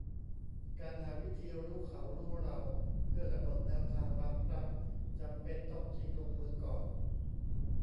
การหาวิธีรู้เขารู้เราเพื่อกำหนดแนวทางบางครั้งจำเป็นต้องชิงลงมือก่อน